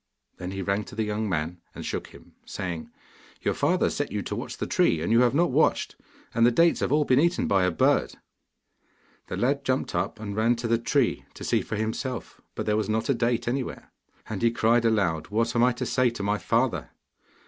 Then he ran to the young man and shook him, saying: 'Your father set you to watch the tree, and you have not watched, and the dates have all been eaten by a bird.' The lad jumped up and ran to the tree to see for himself, but there was not a date anywhere. And he cried aloud, 'What am I to say to my father?